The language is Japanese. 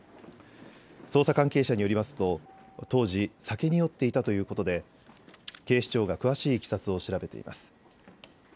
捜査関係者によりますと当時酒に酔っていたということで警視庁が詳しいいきさつを調べています。